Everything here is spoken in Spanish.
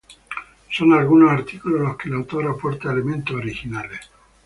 Son algunos artículos en los que el autor aporta elementos originales.